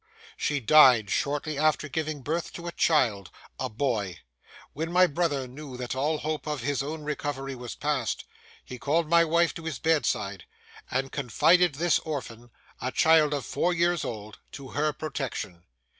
She died shortly after giving birth to a child—a boy. When my brother knew that all hope of his own recovery was past, he called my wife to his bedside, and confided this orphan, a child of four years old, to her protection.